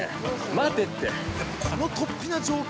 待てって！